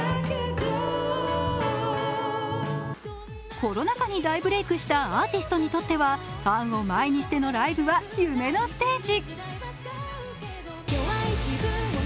コロナ禍に大ブレイクしたアーティストにとってはファンを前にしてのライブは夢のステージ。